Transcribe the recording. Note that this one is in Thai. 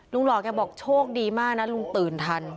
หล่อแกบอกโชคดีมากนะลุงตื่นทัน